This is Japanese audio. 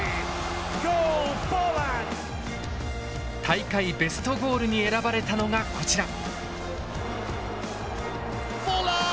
大会ベストゴールに選ばれたのがこちら。